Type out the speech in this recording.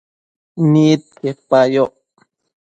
Nidquipa yoc